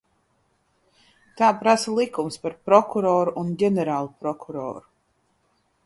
Tā prasa likums par prokuroru un ģenerālprokuroru.